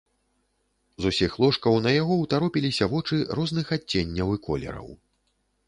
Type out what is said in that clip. З усіх ложкаў на яго ўтаропіліся вочы розных адценняў і колераў.